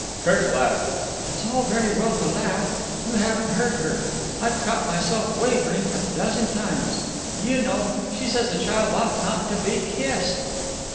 Kirk laughed. "It's all very well to laugh. You haven't heard her. I've caught myself wavering a dozen times. Do you know, she says a child ought not to be kissed?"